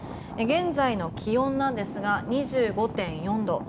現在の気温ですが、２５．４度。